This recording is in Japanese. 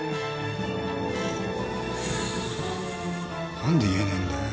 なんで言えねえんだよ。